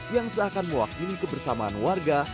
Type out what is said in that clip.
yang seakan mewakili kebersamaan warga